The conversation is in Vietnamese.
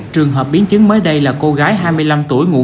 trường hợp biến chứng mới đây là cô gái hai mươi năm tuổi ngụ